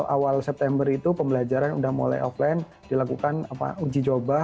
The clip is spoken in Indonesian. awal september itu pembelajaran sudah mulai offline dilakukan uji coba